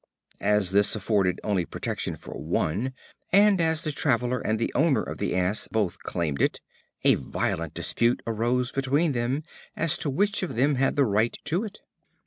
As this afforded only protection for one, and as the traveler and the owner of the Ass both claimed it, a violent dispute arose between them as to which of them had the right to it.